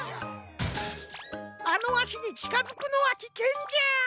あのあしにちかづくのはきけんじゃ。